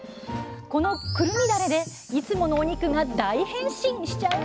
このくるみだれでいつものお肉が大変身しちゃうんです！